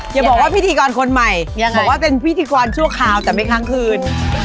อย่าบอกว่าพิธีกรคนใหม่บอกว่าเป็นพิธีกรชั่วคราวแต่ไม่ค้างคืน